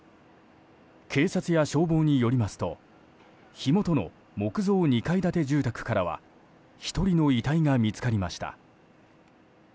警察や消防によりますと火元の木造２階建て住宅からは１人の遺体が見つかりました。